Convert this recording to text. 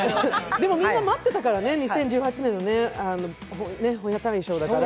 でもみんな待ってたからね２００７年の本屋大賞だから。